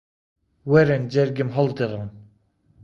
وەرن جەرگم هەڵدڕن